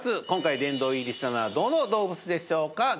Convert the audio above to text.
今回殿堂入りしたのはどの動物でしょうか？